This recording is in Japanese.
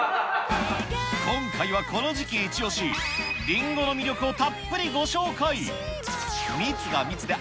今回はこの時期一押し、りんごの魅力をたっぷりご紹介。